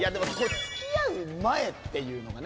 付き合う前っていうのがね。